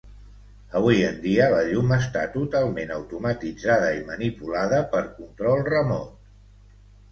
Avui en dia, la llum està totalment automatitzada i manipulada per control remot.